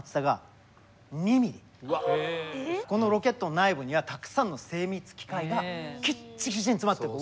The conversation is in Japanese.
このロケットの内部にはたくさんの精密機械がきっちきちに詰まってる。